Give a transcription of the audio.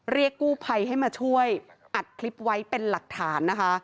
เรียกกู้ภัยให้มาช่วยอัดคลิปไว้เป็นหลักฐานนะคะ